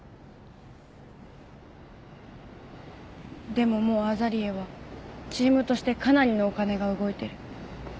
でももうＡＺＡＬＥＡはチームとしてかなりのお金が動いてる。